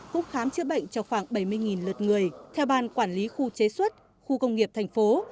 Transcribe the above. cũng khám chữa bệnh cho khoảng bảy mươi lượt người theo ban quản lý khu chế xuất khu công nghiệp thành phố